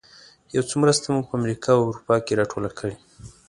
یو څه مرسته مو په امریکا او اروپا کې راټوله کړې.